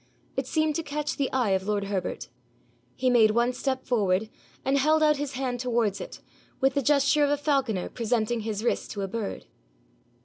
It seemed to catch the eye of lord Herbert. He made one step forward, and held out his hand towards it, with the gesture of a falconer presenting his wrist to a bird.